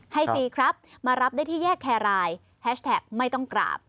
ฟรีครับมารับได้ที่แยกแครรายแฮชแท็กไม่ต้องกราบ